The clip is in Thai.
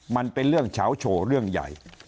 มันเป็นเรื่องเฉาโชว์เรื่องใหญ่